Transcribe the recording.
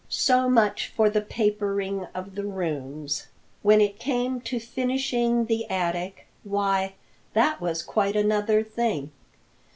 So much for the papering of the rooms. When it came to finishing the attic, why, that was quite another thing.